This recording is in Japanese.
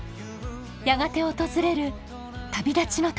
やがて訪れる旅立ちの時。